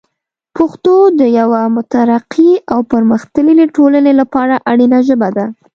پښتو د یوه مترقي او پرمختللي ټولنې لپاره اړینه ژبه ده.